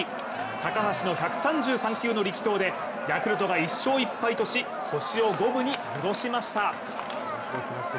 高橋の１３３球の力投でヤクルトが１勝１敗とし星を五分に戻しました。